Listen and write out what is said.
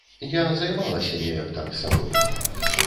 Я займалася неяк так сабой.